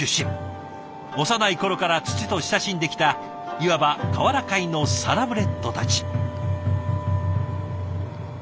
幼い頃から土と親しんできたいわば瓦界のサラブレッドたち。